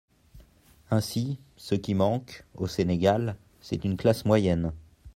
Ainsi, ce qui manque, au Sénégal, c’est une classe moyenne.